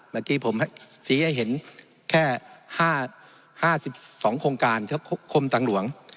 เมื่อกี้ผมสีให้เห็นแค่๕๒โครงการกรมทางหลวง